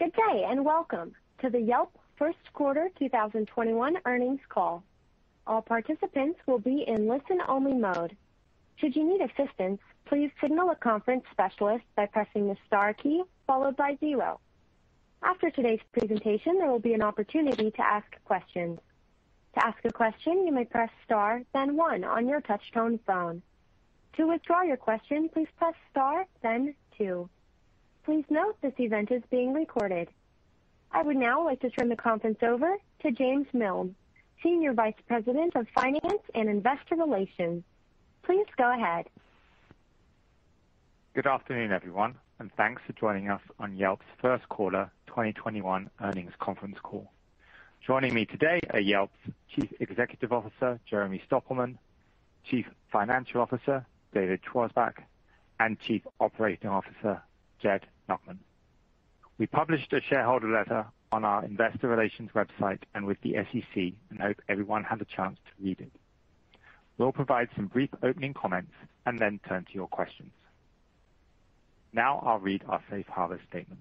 Good day, welcome to the Yelp Q1 2021 earnings call. I would now like to turn the conference over to James Miln, Senior Vice President of Finance and Investor Relations. Please go ahead. Good afternoon, everyone, and thanks for joining us on Yelp's Q1 2021 earnings conference call. Joining me today are Yelp's Chief Executive Officer, Jeremy Stoppelman, Chief Financial Officer, David Schwarzbach, and Chief Operating Officer, Jed Nachman. We published a shareholder letter on our investor relations website and with the SEC and hope everyone had a chance to read it. We'll provide some brief opening comments and then turn to your questions. I'll read our safe harbor statement.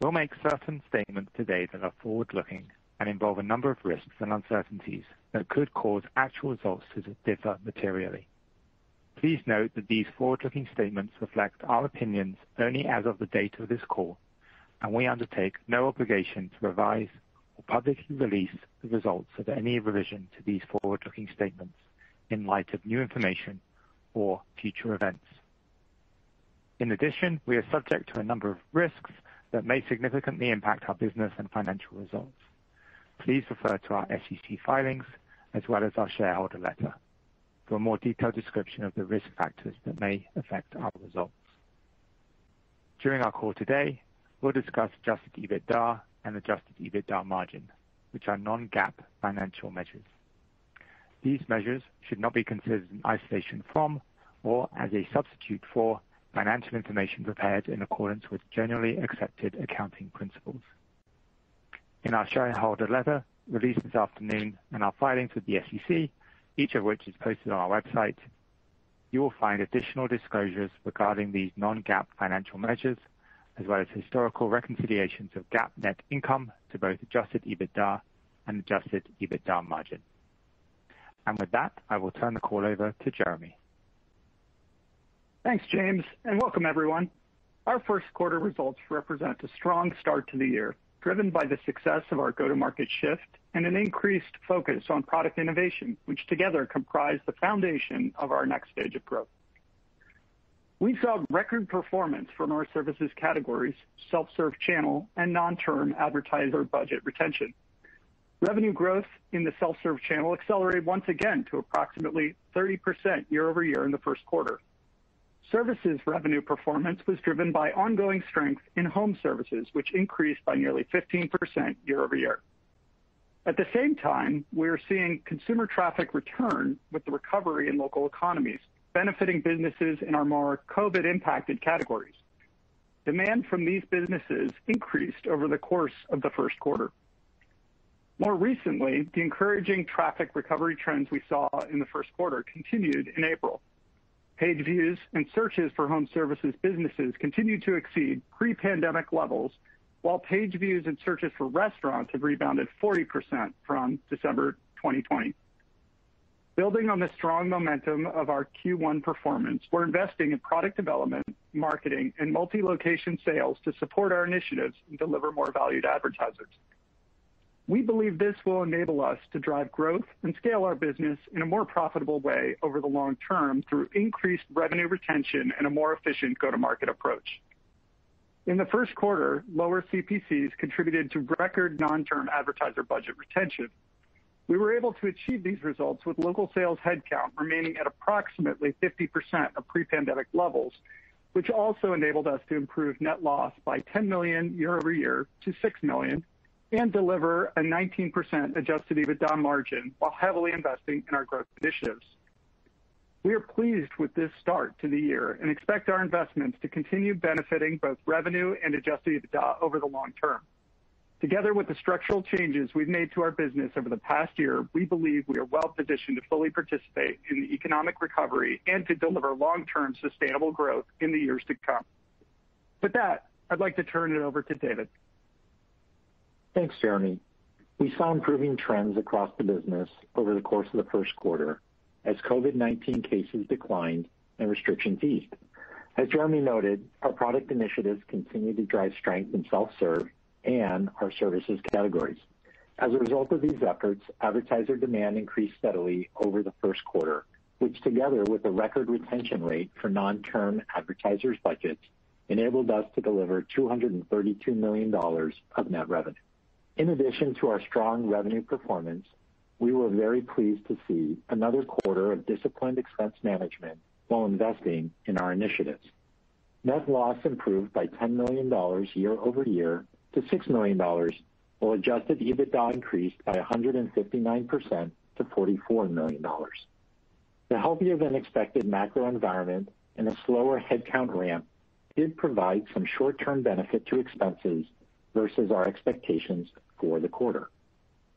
We'll make certain statements today that are forward-looking and involve a number of risks and uncertainties that could cause actual results to differ materially. Please note that these forward-looking statements reflect our opinions only as of the date of this call, and we undertake no obligation to revise or publicly release the results of any revision to these forward-looking statements in light of new information or future events. In addition, we are subject to a number of risks that may significantly impact our business and financial results. Please refer to our SEC filings as well as our shareholder letter for a more detailed description of the risk factors that may affect our results. During our call today, we'll discuss adjusted EBITDA and adjusted EBITDA margin, which are non-GAAP financial measures. These measures should not be considered in isolation from or as a substitute for financial information prepared in accordance with Generally Accepted Accounting Principles. In our shareholder letter released this afternoon and our filings with the SEC, each of which is posted on our website, you will find additional disclosures regarding these non-GAAP financial measures, as well as historical reconciliations of GAAP net income to both adjusted EBITDA and adjusted EBITDA margin. With that, I will turn the call over to Jeremy. Thanks, James, and welcome everyone. Our Q1 results represent a strong start to the year, driven by the success of our go-to-market shift and an increased focus on product innovation, which together comprise the foundation of our next stage of growth. We saw record performance from our services categories, self-serve channel, and non-term advertiser budget retention. Revenue growth in the self-serve channel accelerated once again to approximately 30% year-over-year in the Q1. Services revenue performance was driven by ongoing strength in home services, which increased by nearly 15% year-over-year. At the same time, we are seeing consumer traffic return with the recovery in local economies, benefiting businesses in our more COVID-impacted categories. Demand from these businesses increased over the course of the Q1. More recently, the encouraging traffic recovery trends we saw in the first quarter continued in April. Page views and searches for home services businesses continue to exceed pre-pandemic levels, while page views and searches for restaurants have rebounded 40% from December 2020. Building on the strong momentum of our Q1 performance, we're investing in product development, marketing, and multi-location sales to support our initiatives and deliver more value to advertisers. We believe this will enable us to drive growth and scale our business in a more profitable way over the long term through increased revenue retention and a more efficient go-to-market approach. In the Q1, lower CPCs contributed to record non-term advertiser budget retention. We were able to achieve these results with local sales headcount remaining at approximately 50% of pre-pandemic levels, which also enabled us to improve net loss by $10 million year-over-year to $6 million and deliver a 19% adjusted EBITDA margin while heavily investing in our growth initiatives. We are pleased with this start to the year and expect our investments to continue benefiting both revenue and adjusted EBITDA over the long term. Together with the structural changes we've made to our business over the past year, we believe we are well-positioned to fully participate in the economic recovery and to deliver long-term sustainable growth in the years to come. With that, I'd like to turn it over to David. Thanks, Jeremy. We saw improving trends across the business over the course of the Q1 as COVID-19 cases declined and restrictions eased. As Jeremy noted, our product initiatives continue to drive strength in self-serve and our services categories. As a result of these efforts, advertiser demand increased steadily over the Q1, which together with a record retention rate for non-term advertisers budgets, enabled us to deliver $232 million of net revenue. In addition to our strong revenue performance, we were very pleased to see another quarter of disciplined expense management while investing in our initiatives. Net loss improved by $10 million year-over-year to $6 million, while adjusted EBITDA increased by 159% - $44 million. The healthier-than-expected macro environment and a slower headcount ramp did provide some short-term benefit to expenses versus our expectations for the quarter.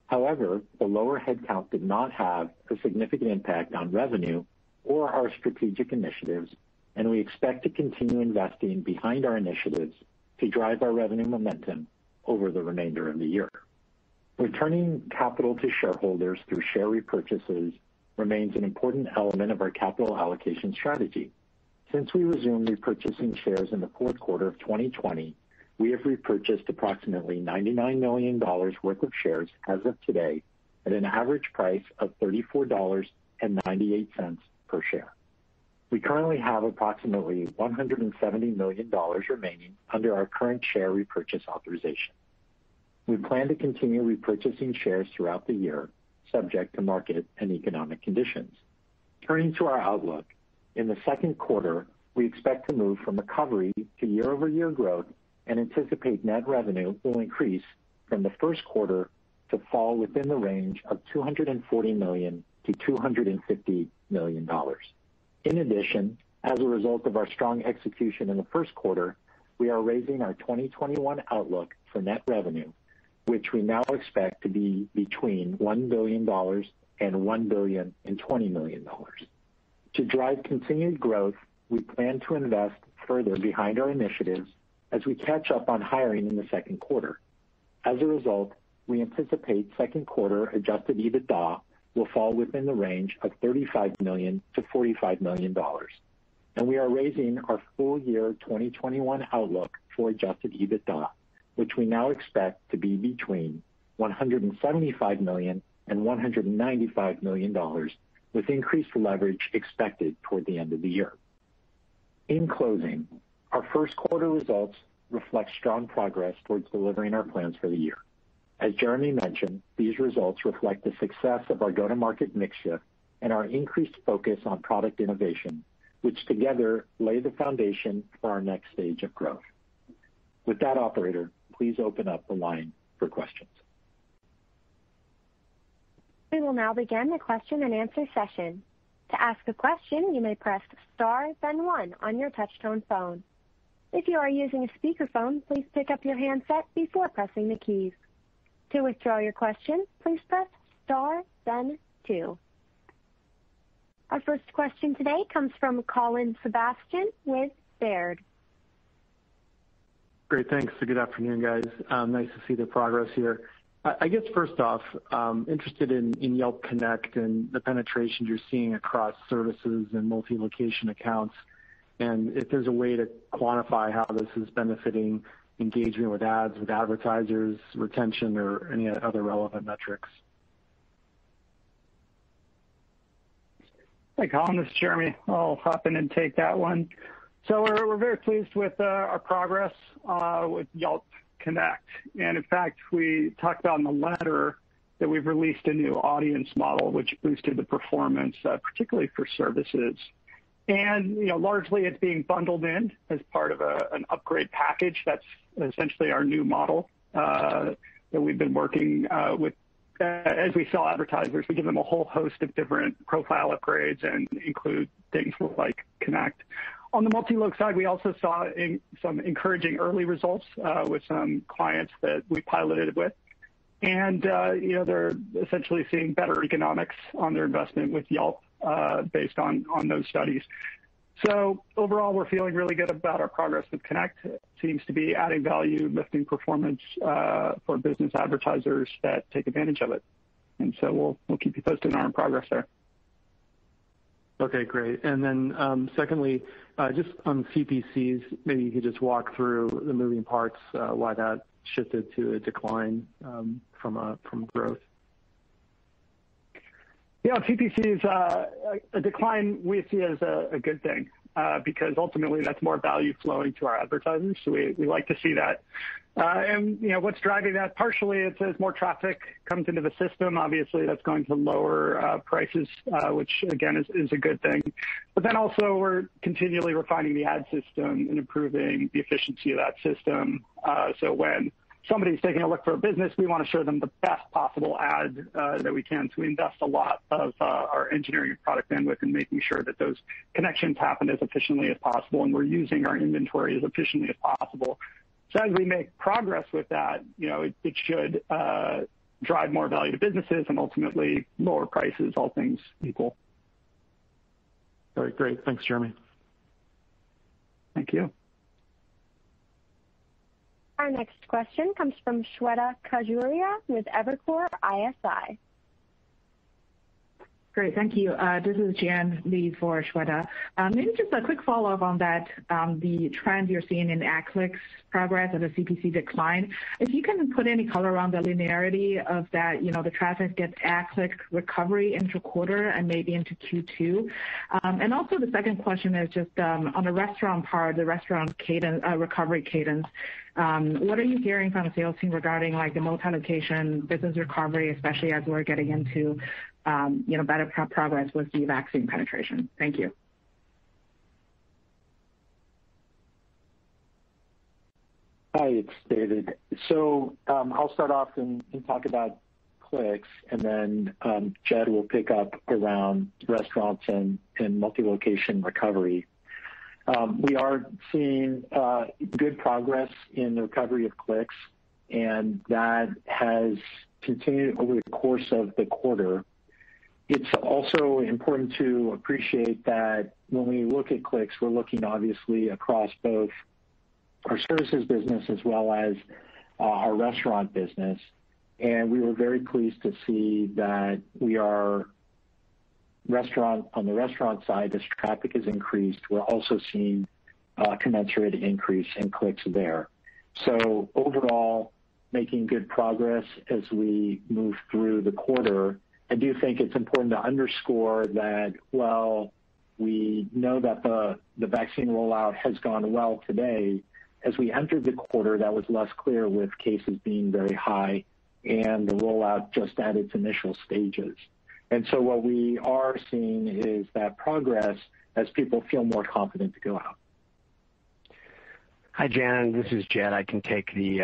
However, the lower headcount did not have a significant impact on revenue or our strategic initiatives, and we expect to continue investing behind our initiatives to drive our revenue momentum over the remainder of the year. Returning capital to shareholders through share repurchases remains an important element of our capital allocation strategy. Since we resumed repurchasing shares in the Q4 of 2020, we have repurchased approximately $99 million worth of shares as of today, at an average price of $34.98 per share. We currently have approximately $170 million remaining under our current share repurchase authorization. We plan to continue repurchasing shares throughout the year, subject to market and economic conditions. Turning to our outlook. In the second quarter, we expect to move from recovery to year-over-year growth and anticipate net revenue will increase from the Q1 to fall within the range of $240 million-$250 million. In addition, as a result of our strong execution in the first quarter, we are raising our 2021 outlook for net revenue, which we now expect to be between $1 billion and $1.02 billion. To drive continued growth, we plan to invest further behind our initiatives as we catch up on hiring in the Q2. As a result, we anticipate Q2 adjusted EBITDA will fall within the range of $35 million-$45 million. We are raising our full year 2021 outlook for adjusted EBITDA, which we now expect to be between $175 million and $195 million, with increased leverage expected toward the end of the year. In closing, our Q1 results reflect strong progress towards delivering our plans for the year. As Jeremy mentioned, these results reflect the success of our go-to-market mix shift and our increased focus on product innovation, which together lay the foundation for our next stage of growth. With that, operator, please open up the line for questions. We will now begin the question and answer session. To ask a question, you may press star, then one on your touch-tone phone. If you are using a speakerphone, please pick up your handset before pressing the keys. To withdraw your question, please press star, then two. Our first question today comes from Colin Sebastian with Baird. Great. Thanks. Good afternoon, guys. Nice to see the progress here. I guess first off, interested in Yelp Connect and the penetration you're seeing across services and multi-location accounts, and if there's a way to quantify how this is benefiting engagement with ads, with advertisers, retention, or any other relevant metrics. Hi, Colin, this is Jeremy. I'll hop in and take that one. We're very pleased with our progress, with Yelp Connect. In fact, we talked on the letter that we've released a new audience model, which boosted the performance, particularly for services. Largely, it's being bundled in as part of an upgrade package that's essentially our new model, that we've been working with. As we sell advertisers, we give them a whole host of different profile upgrades and include things like Connect. On the multi-loc side, we also saw some encouraging early results, with some clients that we piloted with. They're essentially seeing better economics on their investment with Yelp, based on those studies. Overall, we're feeling really good about our progress with Connect. Seems to be adding value, lifting performance for business advertisers that take advantage of it. We'll keep you posted on our progress there. Okay, great. Secondly, just on CPCs, maybe you could just walk through the moving parts, why that shifted to a decline from growth? On CPCs, a decline we see as a good thing, because ultimately that's more value flowing to our advertisers, we like to see that. What's driving that? Partially, it's as more traffic comes into the system, obviously that's going to lower prices, which again, is a good thing. Also, we're continually refining the ad system and improving the efficiency of that system. When somebody's taking a look for a business, we want to show them the best possible ad that we can. We invest a lot of our engineering and product bandwidth in making sure that those connections happen as efficiently as possible, and we're using our inventory as efficiently as possible. As we make progress with that, it should drive more value to businesses and ultimately lower prices, all things equal. All right, great. Thanks, Jeremy. Thank you. Our next question comes from Shweta Khajuria with Evercore ISI. Great. Thank you. This is Jan, lead for Shweta. Maybe just a quick follow-up on that, the trends you're seeing in ad clicks progress as a CPC decline. If you can put any color around the linearity of that, the traffic gets ad click recovery interquarter and maybe into Q2. The second question is just, on the restaurant part, the restaurant recovery cadence. What are you hearing from the sales team regarding the multi-location business recovery, especially as we're getting into better progress with the vaccine penetration? Thank you. Hi, it's David. I'll start off and talk about clicks, and then Jed will pick up around restaurants and multi-location recovery. We are seeing good progress in the recovery of clicks, and that has continued over the course of the quarter. It's also important to appreciate that when we look at clicks, we're looking obviously across both our services business as well as our restaurant business, and we were very pleased to see that on the restaurant side, as traffic has increased, we're also seeing a commensurate increase in clicks there. Overall, making good progress as we move through the quarter. I do think it's important to underscore that while we know that the vaccine rollout has gone well today, as we entered the quarter, that was less clear with cases being very high and the rollout just at its initial stages. What we are seeing is that progress as people feel more confident to go out. Hi, Jan, this is Jed. I can take the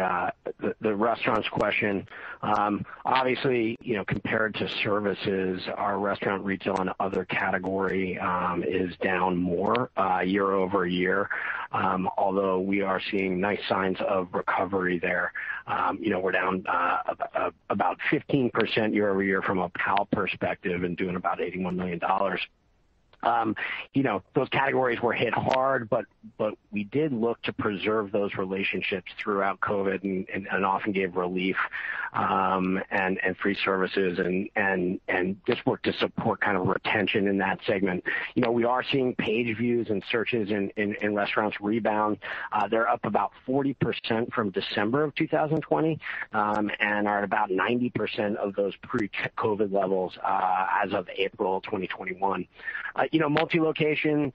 restaurants question. Obviously, compared to services, our restaurant retail and other category is down more year-over-year. Although we are seeing nice signs of recovery there. We're down about 15% year-over-year from a PAL perspective and doing about $81 million. Those categories were hit hard, but we did look to preserve those relationships throughout COVID and often gave relief and free services and just worked to support kind of retention in that segment. We are seeing page views and searches in restaurants rebound. They're up about 40% from December of 2020, and are at about 90% of those pre-COVID levels as of April 2021. Multi-location,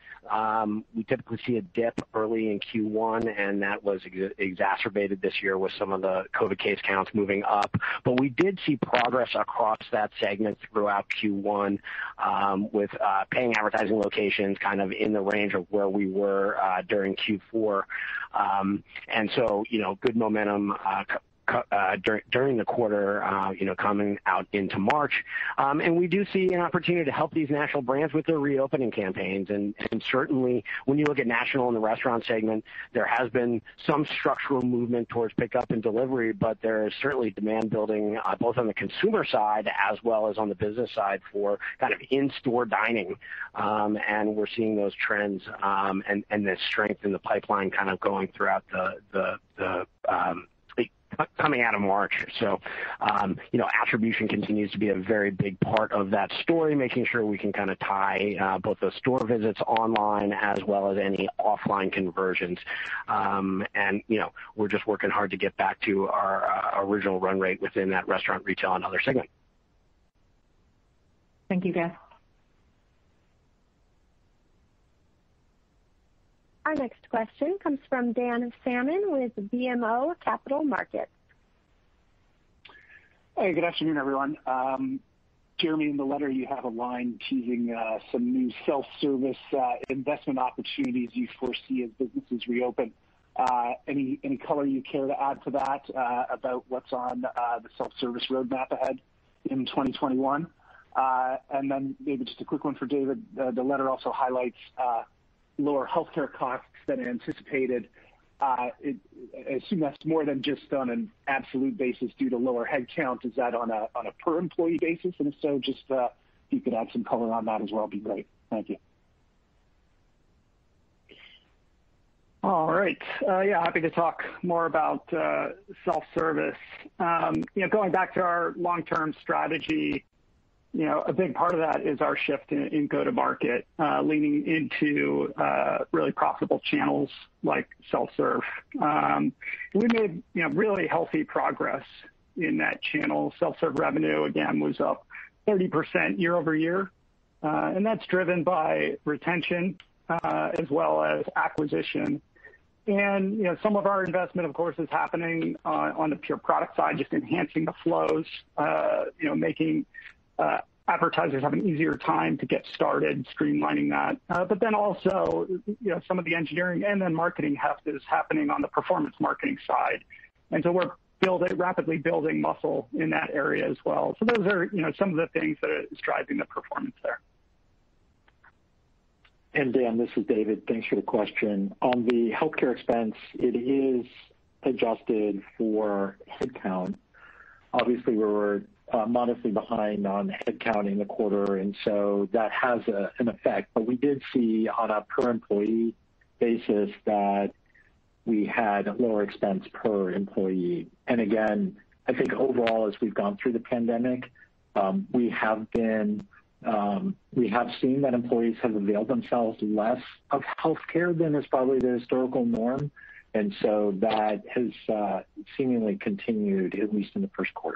we typically see a dip early in Q1, and that was exacerbated this year with some of the COVID case counts moving up. We did see progress across that segment throughout Q1, with Paying Advertising Locations kind of in the range of where we were during Q4. Good momentum during the quarter coming out into March. We do see an opportunity to help these national brands with their reopening campaigns, and certainly when you look at national in the restaurant segment, there has been some structural movement towards pickup and delivery. There is certainly demand building both on the consumer side as well as on the business side for kind of in-store dining. We're seeing those trends and the strength in the pipeline kind of coming out of March. Attribution continues to be a very big part of that story, making sure we can tie both those store visits online as well as any offline conversions. We're just working hard to get back to our original run rate within that restaurant retail and other segment. Thank you, Jed. Our next question comes from Dan Salmon with BMO Capital Markets. Hey, good afternoon, everyone. Jeremy, in the letter you have a line teasing some new self-service investment opportunities you foresee as businesses reopen. Any color you care to add to that about what's on the self-service roadmap ahead in 2021? Maybe just a quick one for David. The letter also highlights lower healthcare costs than anticipated. I assume that's more than just on an absolute basis due to lower headcount. Is that on a per employee basis? If so, just if you could add some color on that as well, it'd be great. Thank you. All right. Yeah, happy to talk more about self-service. Going back to our long-term strategy, a big part of that is our shift in go-to market, leaning into really profitable channels like Self-serve. We made really healthy progress in that channel. Self-serve revenue, again, was up 30% year-over-year. That's driven by retention as well as acquisition. Some of our investment, of course, is happening on the pure product side, just enhancing the flows, making advertisers have an easier time to get started, streamlining that. Also, some of the engineering and then marketing heft is happening on the performance marketing side. We're rapidly building muscle in that area as well. Those are some of the things that are driving the performance there. Dan, this is David. Thanks for the question. On the healthcare expense, it is adjusted for headcount. Obviously, we were modestly behind on headcount in the quarter, and so that has an effect. We did see on a per employee basis that we had lower expense per employee. Again, I think overall, as we've gone through the pandemic, we have seen that employees have availed themselves less of healthcare than is probably the historical norm, and so that has seemingly continued, at least in the Q1.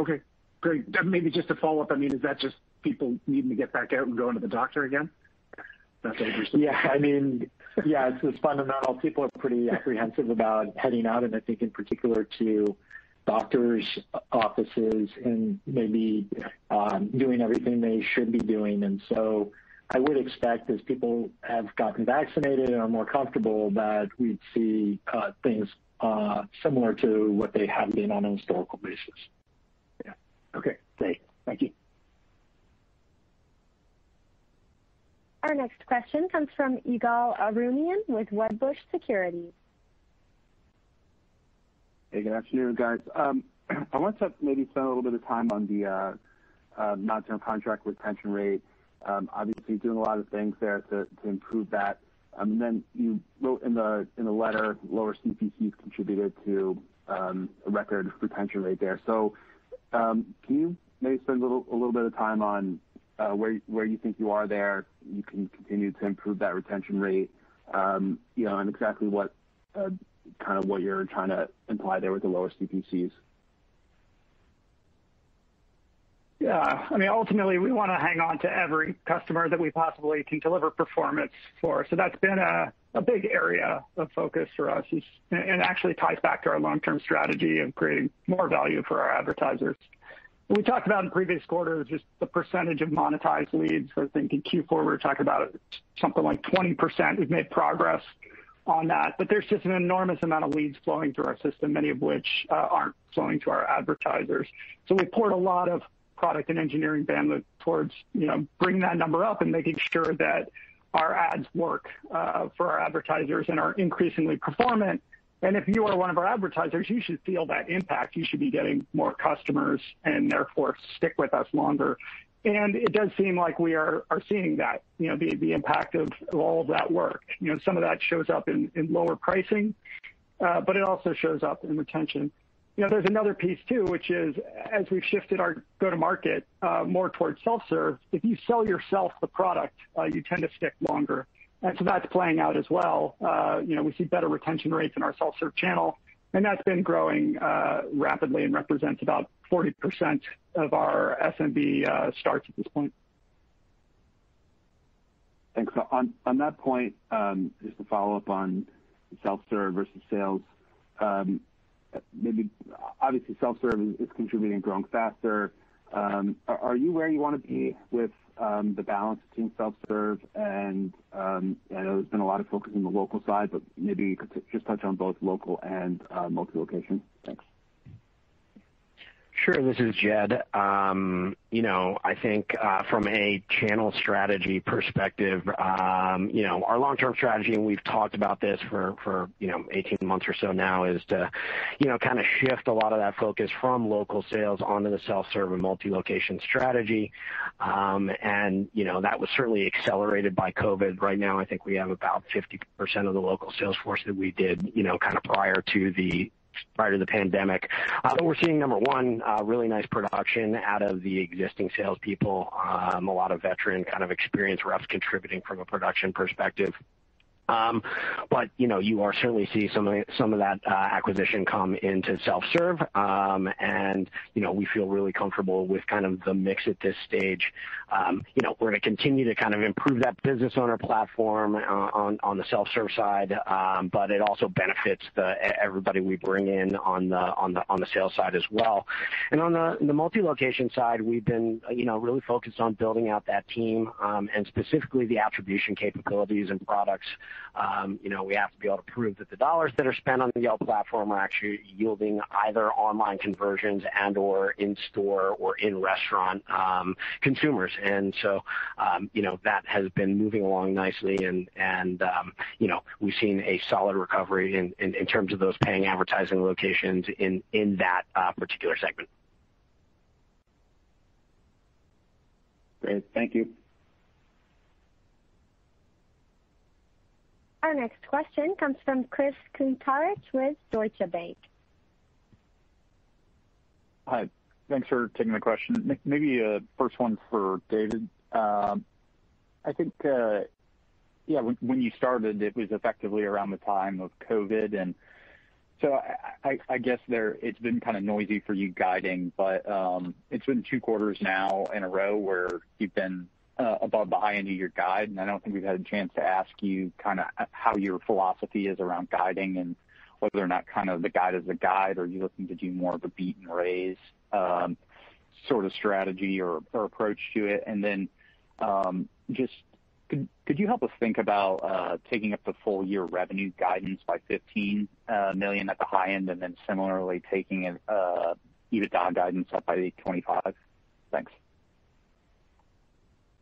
Okay, great. Maybe just a follow-up. Is that just people needing to get back out and going to the doctor again? That's what I'm assuming. Yeah. It's this fundamental, people are pretty apprehensive about heading out, and I think in particular to doctors' offices and maybe doing everything they should be doing. I would expect as people have gotten vaccinated and are more comfortable, that we'd see things similar to what they have been on a historical basis. Okay, great. Thank you. Our next question comes from Ygal Arounian with Wedbush Securities. Hey, good afternoon, guys. I want to maybe spend a little bit of time on the non-term contract retention rate. Obviously, doing a lot of things there to improve that. You wrote in the letter, lower CPCs contributed to a record retention rate there. Can you maybe spend a little bit of time on where you think you are there, you can continue to improve that retention rate, and exactly what you're trying to imply there with the lower CPCs? Yeah. Ultimately, we want to hang on to every customer that we possibly can deliver performance for. That's been a big area of focus for us, and actually ties back to our long-term strategy of creating more value for our advertisers. We talked about in previous quarters, just the percentage of monetized leads. I was thinking Q4, we were talking about something like 20%. We've made progress on that, there's just an enormous amount of leads flowing through our system, many of which aren't flowing to our advertisers. We've poured a lot of product and engineering bandwidth towards bringing that number up and making sure that our ads work for our advertisers and are increasingly performant. If you are one of our advertisers, you should feel that impact. You should be getting more customers and therefore stick with us longer. It does seem like we are seeing that, the impact of all of that work. Some of that shows up in lower pricing, but it also shows up in retention. There's another piece, too, which is as we've shifted our go-to market more towards self-serve, if you sell yourself the product, you tend to stick longer. That's playing out as well. We see better retention rates in our self-serve channel, and that's been growing rapidly and represents about 40% of our SMB starts at this point. Thanks. On that point, just to follow up on self-serve versus sales. Obviously, self-serve is contributing and growing faster. Are you where you want to be with the balance between self-serve and, I know there's been a lot of focus on the local side, but maybe you could just touch on both local and multi-location? Thanks. Sure. This is Jed. I think from a channel strategy perspective, our long-term strategy, and we've talked about this for 18 months or so now, is to shift a lot of that focus from local sales onto the self-serve and multi-location strategy. That was certainly accelerated by COVID. Right now, I think we have about 50% of the local sales force that we did prior to the pandemic. We're seeing, number one, really nice production out of the existing salespeople. A lot of veteran, experienced reps contributing from a production perspective. You are certainly seeing some of that acquisition come into self-serve. We feel really comfortable with the mix at this stage. We're going to continue to improve that business owner platform on the self-serve side, but it also benefits everybody we bring in on the sales side as well. On the multi-location side, we've been really focused on building out that team and specifically the attribution capabilities and products. We have to be able to prove that the dollars that are spent on the Yelp platform are actually yielding either online conversions and/or in-store or in-restaurant consumers. That has been moving along nicely and we've seen a solid recovery in terms of those Paying Advertising Locations in that particular segment. Great. Thank you. Our next question comes from Chris Kuntarich with Deutsche Bank. Hi. Thanks for taking the question. Maybe first one's for David. I think, when you started, it was effectively around the time of COVID-19. I guess it's been kind of noisy for you guiding. It's been Q2 now in a row where you've been above the high end of your guide, and I don't think we've had a chance to ask you how your philosophy is around guiding and whether or not the guide is a guide, or are you looking to do more of a beat and raise sort of strategy or approach to it? Could you help us think about taking up the full year revenue guidance by $15 million at the high end and then similarly taking EBITDA guidance up by $25? Thanks.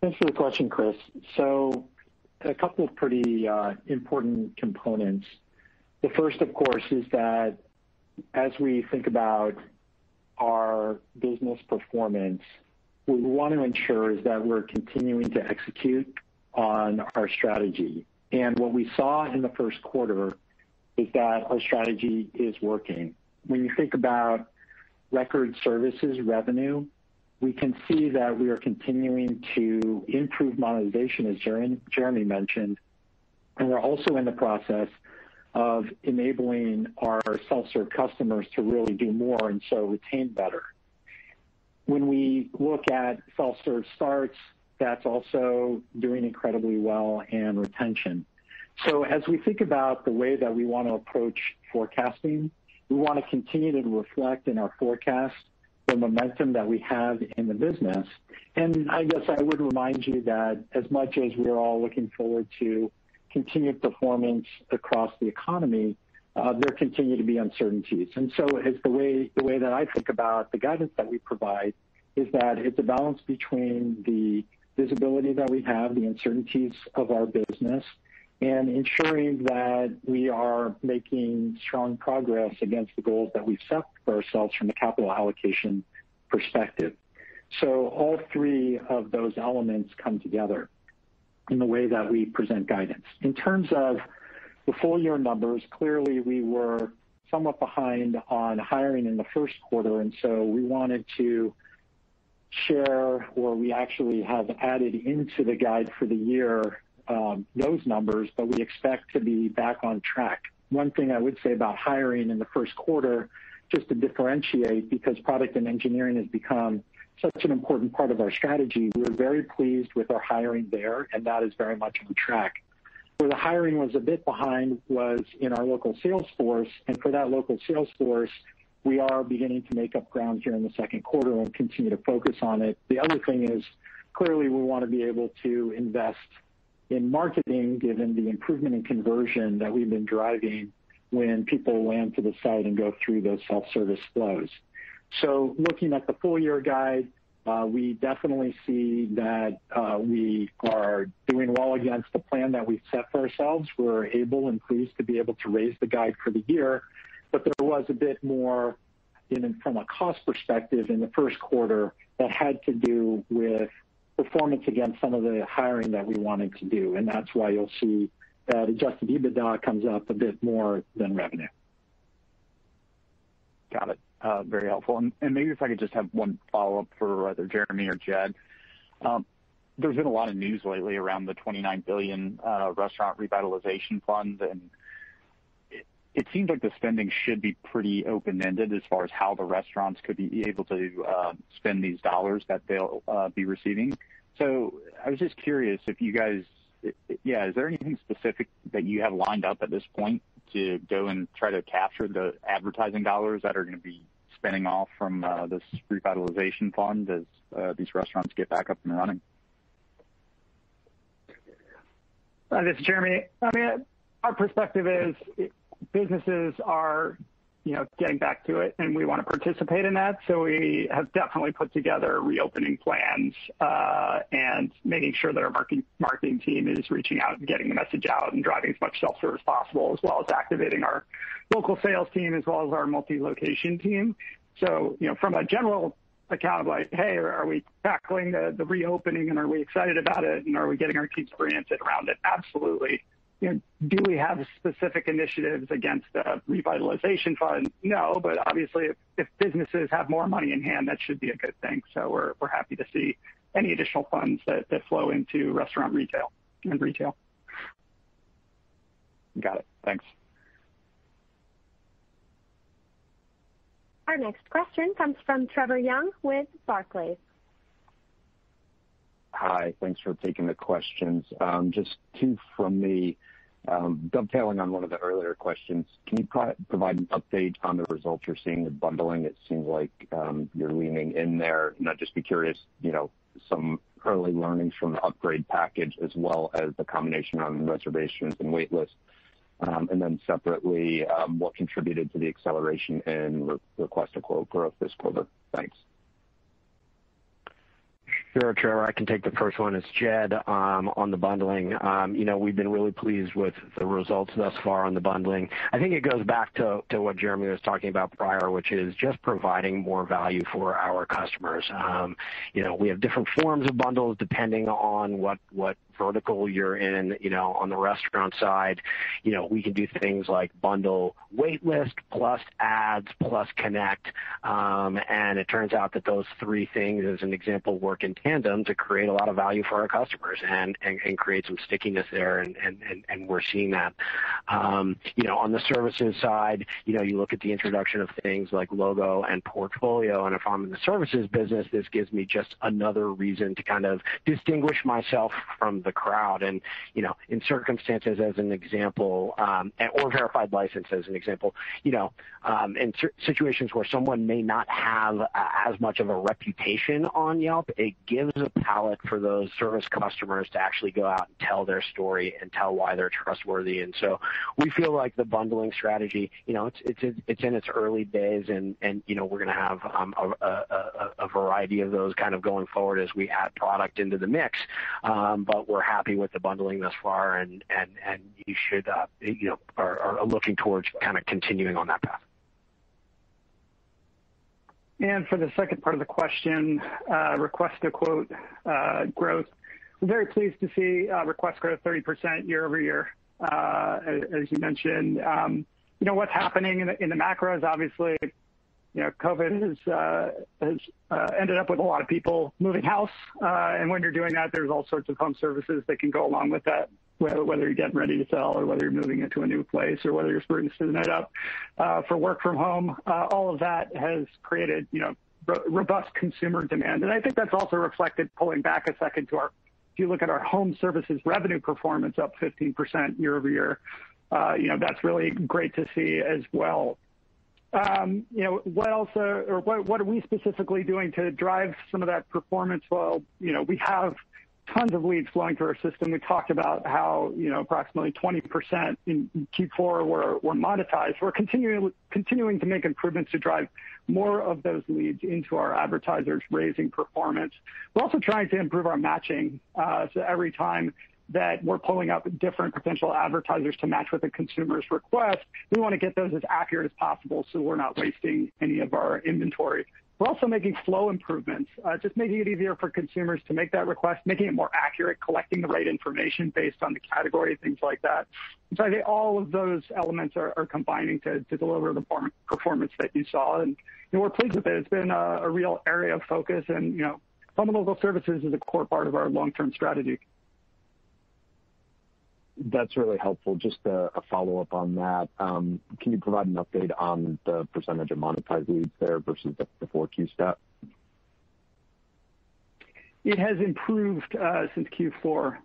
Thanks for the question, Chris. A couple of pretty important components. The first, of course, is that as we think about our business performance, we want to ensure is that we're continuing to execute on our strategy. What we saw in the first quarter is that our strategy is working. When you think about record services revenue, we can see that we are continuing to improve monetization, as Jeremy mentioned. We're also in the process of enabling our self-serve customers to really do more, and so retain better. When we look at self-serve starts, that's also doing incredibly well in retention. As we think about the way that we want to approach forecasting, we want to continue to reflect in our forecast the momentum that we have in the business. I guess I would remind you that as much as we are all looking forward to continued performance across the economy, there continue to be uncertainties. The way that I think about the guidance that we provide is that it's a balance between the visibility that we have, the uncertainties of our business, and ensuring that we are making strong progress against the goals that we've set for ourselves from a capital allocation perspective. All three of those elements come together in the way that we present guidance. In terms of the full-year numbers, clearly, we were somewhat behind on hiring in the Q1. We wanted to share where we actually have added into the guide for the year, those numbers. We expect to be back on track. One thing I would say about hiring in the Q1, just to differentiate, because product and engineering has become such an important part of our strategy, we are very pleased with our hiring there. That is very much on track. Where the hiring was a bit behind was in our local sales force. For that local sales force, we are beginning to make up ground here in the Q2 and continue to focus on it. The other thing is, clearly, we want to be able to invest in marketing given the improvement in conversion that we've been driving when people land to the site and go through those self-service flows. Looking at the full-year guide, we definitely see that we are doing well against the plan that we've set for ourselves. We're able and pleased to be able to raise the guide for the year. There was a bit more, from a cost perspective in the Q1, that had to do with performance against some of the hiring that we wanted to do, and that's why you'll see that adjusted EBITDA comes up a bit more than revenue. Got it. Very helpful. Maybe if I could just have one follow-up for either Jeremy or Jed. There's been a lot of news lately around the $29 billion Restaurant Revitalization Funds. It seems like the spending should be pretty open-ended as far as how the restaurants could be able to spend these dollars that they'll be receiving. I was just curious. Yeah, is there anything specific that you have lined up at this point to go and try to capture the advertising dollars that are going to be spinning off from this Restaurant Revitalization Fund as these restaurants get back up and running? This is Jeremy. Our perspective is businesses are getting back to it, and we want to participate in that. We have definitely put together reopening plans, and making sure that our marketing team is reaching out and getting the message out and driving as much Self-serve as possible, as well as activating our local sales team as well as our multi-location team. From a general account of like, "Hey, are we tackling the reopening, and are we excited about it, and are we getting our teams oriented around it?" Absolutely. Do we have specific initiatives against a revitalization fund? No. Obviously, if businesses have more money in hand, that should be a good thing. We're happy to see any additional funds that flow into restaurant and retail. Got it. Thanks. Our next question comes from Trevor Young with Barclays. Hi. Thanks for taking the questions. Just two from me. Dovetailing on one of the earlier questions, can you provide an update on the results you're seeing with bundling? It seems like you're leaning in there. Just be curious, some early learnings from the upgrade package as well as the combination on reservations and wait list. Then separately, what contributed to the acceleration in Request-to-Quote growth this quarter? Thanks. Sure, Trevor. I can take the first one. It's Jed. On the bundling. We've been really pleased with the results thus far on the bundling. I think it goes back to what Jeremy was talking about prior, which is just providing more value for our customers. We have different forms of bundles depending on what vertical you're in. On the restaurant side, we can do things like bundle wait list plus ads plus Connect. It turns out that those three things, as an example, work in tandem to create a lot of value for our customers and create some stickiness there, and we're seeing that. On the services side, you look at the introduction of things like logo and portfolio. If I'm in the services business, this gives me just another reason to kind of distinguish myself from the crowd and, in circumstances as an example, or verified license as an example. In situations where someone may not have as much of a reputation on Yelp, it gives a PAL for those service customers to actually go out and tell their story and tell why they're trustworthy. We feel like the bundling strategy, it's in its early days, and we're going to have a variety of those kind of going forward as we add product into the mix. We're happy with the bundling thus far and are looking towards kind of continuing on that path. For the second part of the question, Request a Quote growth. We're very pleased to see requests grow 30% year-over-year, as you mentioned. What's happening in the macro is obviously, COVID-19 has ended up with a lot of people moving house. When you're doing that, there's all sorts of home services that can go along with that, whether you're getting ready to sell or whether you're moving into a new place or whether you're sprucing it up for work from home. All of that has created robust consumer demand. I think that's also reflected, pulling back a second, if you look at our home services revenue performance up 15% year-over-year. That's really great to see as well. What are we specifically doing to drive some of that performance? Well, we have tons of leads flowing through our system. We talked about how approximately 20% in Q4 were monetized. We're continuing to make improvements to drive more of those leads into our advertisers, raising performance. We're also trying to improve our matching. Every time that we're pulling up different potential advertisers to match with a consumer's request, we want to get those as accurate as possible so we're not wasting any of our inventory. We're also making flow improvements. Just making it easier for consumers to make that request, making it more accurate, collecting the right information based on the category, things like that. I think all of those elements are combining to deliver the performance that you saw, and we're pleased with it. It's been a real area of focus, and local services is a core part of our long-term strategy. That's really helpful. Just a follow-up on that. Can you provide an update on the percentage of monetized leads there versus the 4Q stat? It has improved since Q4.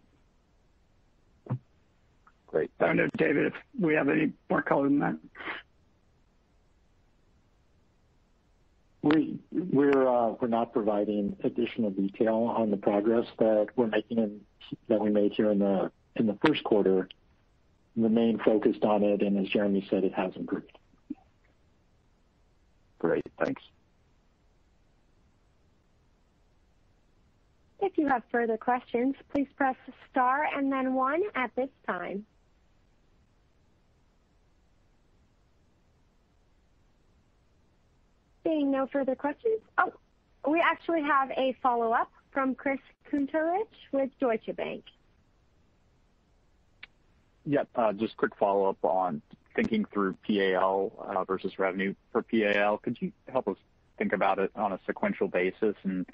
Great. I don't know, David, if we have any more color than that. We're not providing additional detail on the progress that we made here in the Q1. We remain focused on it, and as Jeremy said, it has improved. Great. Thanks. If you have further questions, please press star and then one at this time. Seeing no further questions. Oh, we actually have a follow-up from Chris Kuntarich with Deutsche Bank. Yep. Just quick follow-up on thinking through PAL versus revenue per PAL. Could you help us think about it on a sequential basis and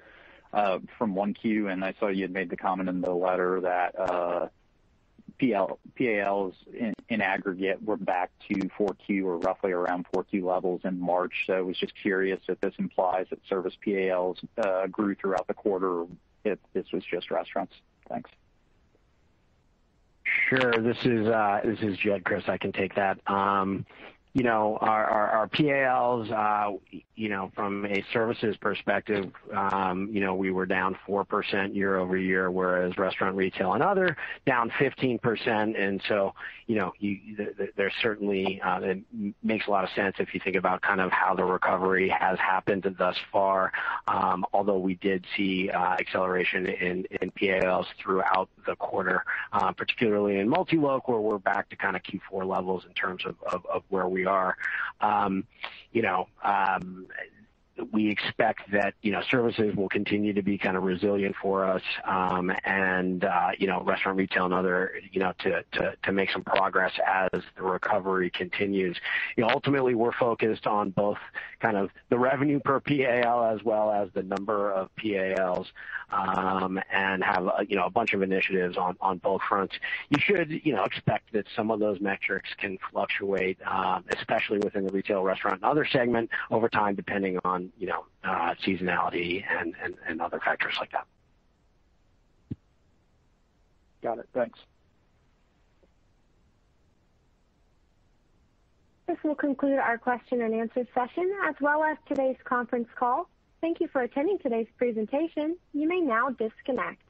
from Q1, and I saw you had made the comment in the letter that PALs in aggregate were back to 4Q or roughly around 4Q levels in March. I was just curious if this implies that service PALs grew throughout the quarter, or if this was just restaurants. Thanks. Sure. This is Jed, Chris, I can take that. Our PALs from a services perspective we were down four percent year-over-year, whereas restaurant, retail, and other, down 15%. That makes a lot of sense if you think about how the recovery has happened thus far. Although we did see acceleration in PALs throughout the quarter. Particularly in multi-location, we're back to Q4 levels in terms of where we are. We expect that services will continue to be resilient for us. Restaurant, retail, and other to make some progress as the recovery continues. Ultimately, we're focused on both the revenue per PAL as well as the number of PALs, and have a bunch of initiatives on both fronts. You should expect that some of those metrics can fluctuate, especially within the retail, restaurant, and other segment over time, depending on seasonality and other factors like that. Got it. Thanks. This will conclude our question and answer session, as well as today's conference call. Thank you for attending today's presentation. You may now disconnect.